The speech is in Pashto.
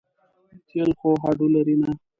تېل خو هډو لري نه.